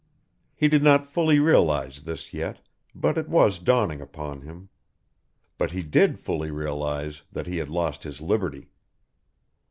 He did not fully realise this yet, but it was dawning upon him. But he did fully realise that he had lost his liberty.